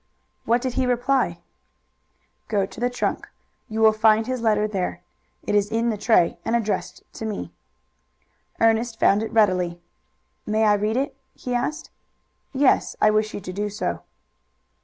"What did he reply?" "Go to the trunk. You will find his letter there. It is in the tray, and addressed to me." Ernest found it readily. "May I read it?" he asked. "Yes, I wish you to do so."